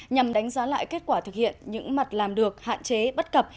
nhằm đánh giá lại kết quả thực hiện những mặt làm được hạn chế bất cập